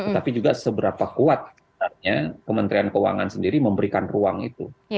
tapi juga seberapa kuat sebenarnya kementerian keuangan sendiri memberikan ruang itu